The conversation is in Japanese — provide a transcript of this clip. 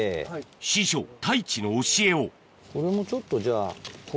師匠太一の教えをこれもちょっとじゃあ。